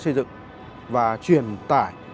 xây dựng và truyền tải